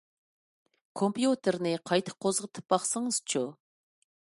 كومپيۇتېرنى قايتا قوزغىتىپ باقسىڭىزچۇ.